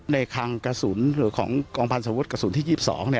คังกระสุนหรือของกองพันธวุฒิกระสุนที่๒๒